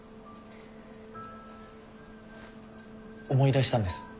思い出したんです。